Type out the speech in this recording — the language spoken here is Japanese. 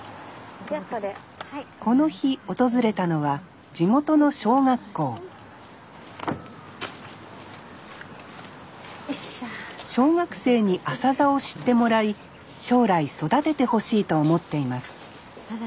この日訪れたのは地元の小学校小学生にアサザを知ってもらい将来育ててほしいと思っています